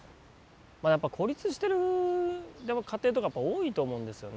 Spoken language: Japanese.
孤立してる家庭とかやっぱ多いと思うんですよね。